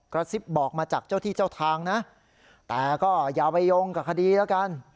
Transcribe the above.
ซิบบอกมาจากเจ้าที่เจ้าทางนะแต่ก็อย่าไปยงกับคดีแล้วกัน